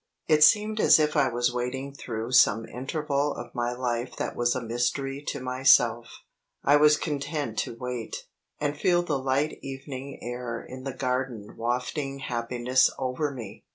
It seemed as if I was waiting through some interval of my life that was a mystery to myself. I was content to wait, and feel the light evening air in the garden wafting happiness over me.